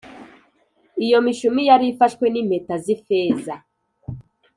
Iyo mishumi yari ifashwe n’impeta z’ifeza